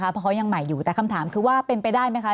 เพราะเขายังใหม่อยู่แต่คำถามคือว่าเป็นไปได้ไหมคะ